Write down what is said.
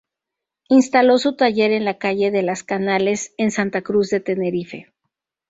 Instaló su taller en la Calle de Las Canales en Santa Cruz de Tenerife.